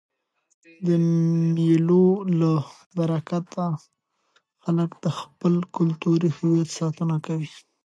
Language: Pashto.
د مېلو له برکته خلک د خپل کلتوري هویت ساتنه کوي.